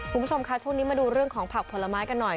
คุณผู้ชมค่ะช่วงนี้มาดูเรื่องของผักผลไม้กันหน่อย